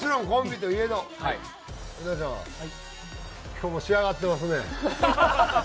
今日も仕上がってますね。